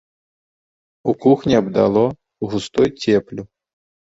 У кухні абдало густой цеплю.